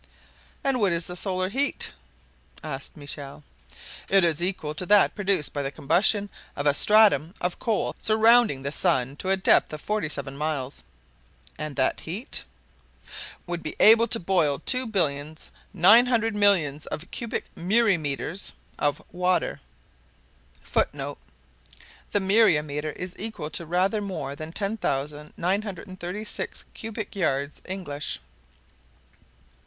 "And what is the solar heat?" asked Michel. "It is equal to that produced by the combustion of a stratum of coal surrounding the sun to a depth of forty seven miles." "And that heat—" "Would be able to boil two billions nine hundred millions of cubic myriameters of water." The myriameter is equal to rather more than 10,936 cubic yards English.